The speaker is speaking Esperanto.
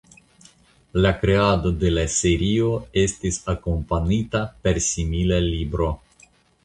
La kreado de la serio estis akompanita per simila libro.